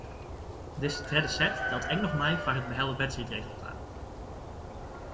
Dizze tredde set teld ek noch mei foar it behelle wedstriidresultaat.